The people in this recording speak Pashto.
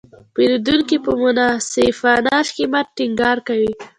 پیرودونکي په منصفانه قیمت ټینګار کوي.